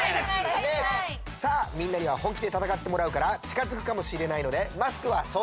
さあみんなにはほんきでたたかってもらうからちかづくかもしれないのでマスクはそうちゃくね！